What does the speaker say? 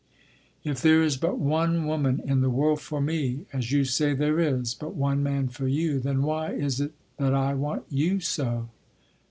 "If there is but one woman in the world for me—as you say there is but one man for you—then why is it that I want you so?"